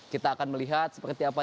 kita akan melihat seperti apa